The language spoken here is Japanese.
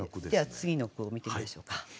次の句を見てみましょうか。